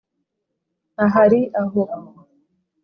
ahari aho